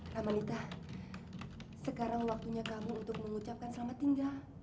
ramadhanita sekarang waktunya kamu untuk mengucapkan selamat tinggal